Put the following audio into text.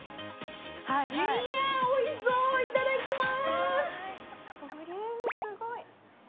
いやおいしそう、いただきます！